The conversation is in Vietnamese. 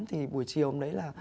thì buổi chiều hôm đấy là